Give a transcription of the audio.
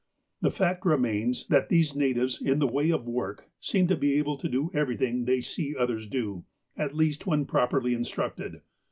The fact remains, that these natives, in the way of work, seem to be able to do everything they see others do, at least when properly instructed.